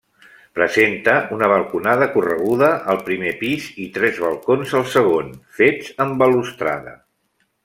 Presenta una balconada correguda al primer pis i tres balcons al segon, fets amb balustrada.